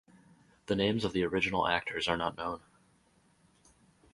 The names of the original actors are not known.